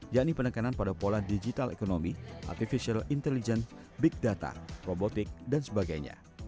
yakni penekanan pada pola digital ekonomi artificial intelligence big data robotik dan sebagainya